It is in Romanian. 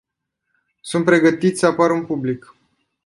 Sunt pregătiți să apară în public.